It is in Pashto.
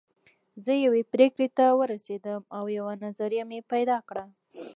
زه يوې پرېکړې ته ورسېدم او يوه نظريه مې پيدا کړه.